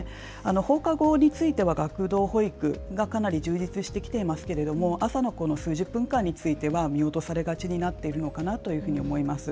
放課後については学童保育はかなり充実してきているんですが朝の数十分間については見落とされがちになっているのかなと思います。